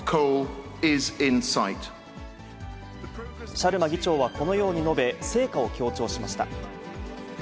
シャルマ議長はこのように述べ、成果を強調しました。